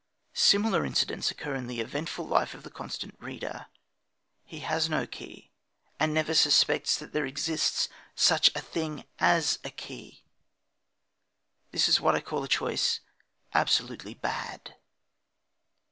Similar incidents occur in the eventful life of the constant reader. He has no key, and never suspects that there exists such a thing as a key. That is what I call a choice absolutely bad.